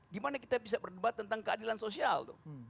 dimana kita bisa berdebat tentang keadilan sosial